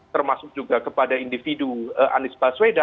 termasuk juga kepada individu anies baswedan